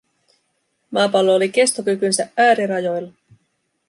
Maapallo oli kestokykynsä äärirajoilla.